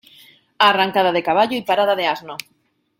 Arrancada de caballo y parada de asno.